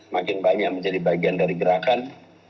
makin banyak menjadi bagian dari gerakan